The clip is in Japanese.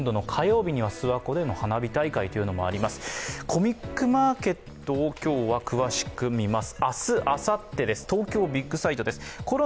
コミックマーケットを今日は詳しくみます。